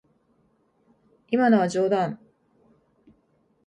今のは冗談。